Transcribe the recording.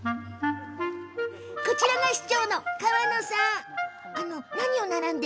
こちらが市長の川野さん。